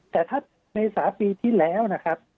แต่ถ้าใน๓ปีที่แล้วนะครับ